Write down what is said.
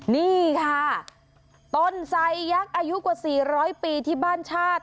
นี่ค่ะต้นไซยักษ์อายุกว่า๔๐๐ปีที่บ้านชาติ